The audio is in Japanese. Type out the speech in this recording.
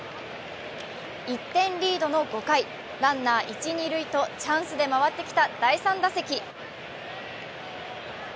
１点リードの５回、ランナー一・二塁とチャンスで回ってきた第３打席。